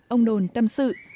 ông đồn tâm sự